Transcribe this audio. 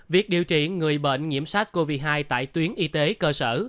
việc điều trị người bệnh nhiễm sars cov hai tại tuyến y tế cơ sở